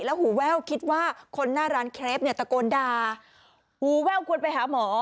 หูแว่วคิดว่าคนหน้าร้านเครปเนี่ยตะโกนด่าหูแว่วควรไปหาหมอ